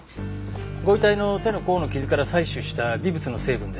ご遺体の手の甲の傷から採取した微物の成分です。